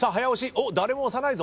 おっ誰も押さないぞ。